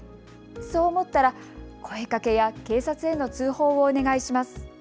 そう思ったら声かけや警察への通報をお願いします。